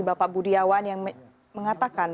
bapak budiawan yang mengatakan